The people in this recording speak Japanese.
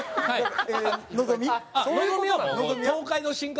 はい。